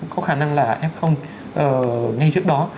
có khả năng là f ngay trước đó